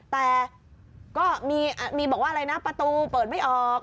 แต่ก็มีบอกว่าอะไรนะประตูเปิดไม่ออก